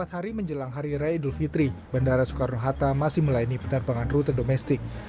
empat hari menjelang hari raya idul fitri bandara soekarno hatta masih melayani penerbangan rute domestik